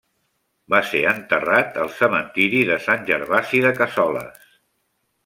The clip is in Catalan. Va ser enterrat al cementiri de Sant Gervasi de Cassoles.